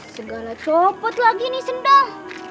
segala copot lagi nih sendal